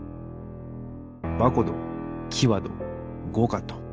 バコドキワドゴカト。